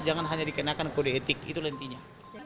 jangan hanya dikenakan kode etik itu lentinya